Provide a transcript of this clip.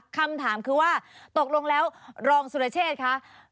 คำถามคือว่าตกลงแล้วรองสุรเชษคะ